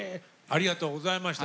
ありがとうございます。